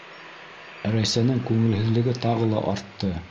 Рәйсәнең күңелһеҙлеге тағы ла артты.